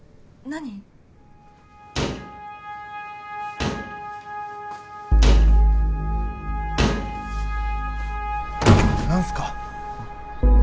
何すか？